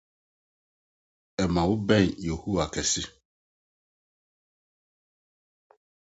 ɛma wobɛn Yehowa kɛse.